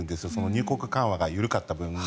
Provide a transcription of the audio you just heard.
入国緩和が緩かった分。